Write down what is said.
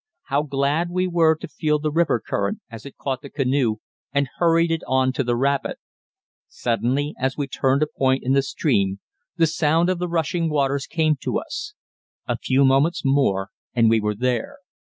How glad we were to feel the river current as it caught the canoe and hurried it on to the rapid! Suddenly, as we turned a point in the stream, the sound of the rushing waters came to us. A few moments more and we were there.